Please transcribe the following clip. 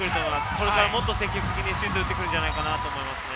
これからもっと積極的に打ってくるんじゃないかなと思いますね。